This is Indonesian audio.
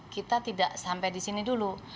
kita tidak sampai di sini dulu